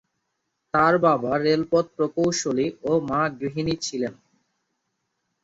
তাঁর বাবা রেলপথ প্রকৌশলী ও মা গৃহিণী ছিলেন।